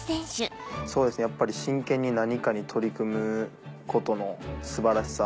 そうですねやっぱり真剣に何かに取り組むことの素晴らしさ。